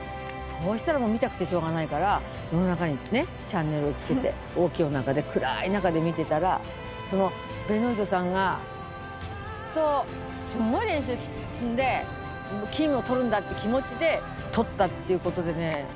そうしたらもう見たくてしょうがないから夜中にねチャンネルをつけて大きいお腹で暗い中で見てたらそのベノイトさんがきっとすごい練習積んで金を取るんだって気持ちで取ったっていう事でね。